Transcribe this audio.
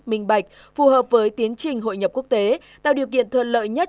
minh bạch phù hợp với tiến trình hội nhập quốc tế tạo điều kiện thuận lợi nhất